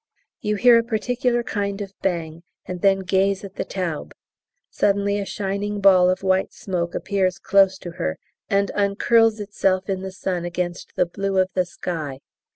You hear a particular kind of bang and then gaze at the Taube; suddenly a shining ball of white smoke appears close to her, and uncurls itself in the sun against the blue of the sky.